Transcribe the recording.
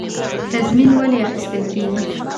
تضمین ولې اخیستل کیږي؟